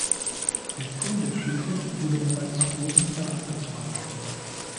Der Turm der Kirche wurde bereits zum großen Teil abgetragen.